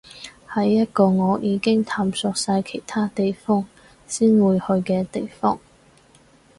係一個我已經探索晒其他地方先會去嘅地方